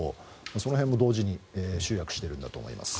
その辺も同時に集約しているんだと思います。